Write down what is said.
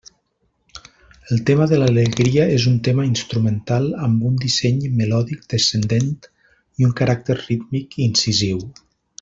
El tema de l'alegria és un tema instrumental amb un disseny melòdic descendent i un caràcter rítmic incisiu.